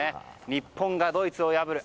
日本がドイツを破る。